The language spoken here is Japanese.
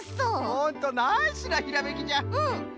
ほんとナイスなひらめきじゃ！